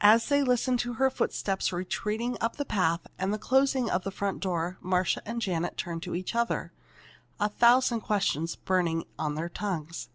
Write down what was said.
As they listened to her footsteps retreating up the path and the closing of the front door Marcia and Janet turned to each other, a thousand questions burning on their tongues.